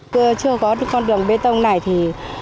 chưa có con đường bê tông này thì